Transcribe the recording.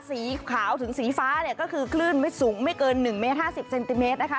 สีขาวถึงสีฟ้าเนี่ยก็คือคลื่นไม่สูงไม่เกิน๑เมตร๕๐เซนติเมตรนะคะ